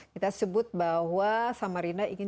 kita sebut bahwa samarinda ingin